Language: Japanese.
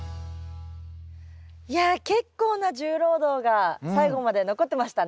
いや結構な重労働が最後まで残ってましたね。